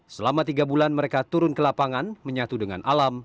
selama tiga bulan mereka turun ke lapangan menyatu dengan alam